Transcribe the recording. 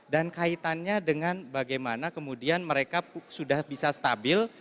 kaitannya dengan bagaimana kemudian mereka sudah bisa stabil